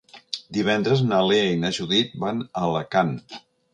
Divendres na Lea i na Judit van a Alacant.